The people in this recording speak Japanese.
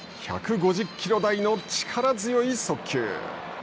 １５０キロ台の力強い速球。